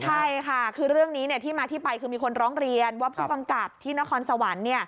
ใช่ค่ะคือเรื่องนี้ที่มาที่ไปคือมีคนร้องเรียนว่าผู้กำกับที่นครสวรรค์